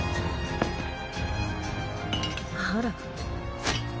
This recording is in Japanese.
あら？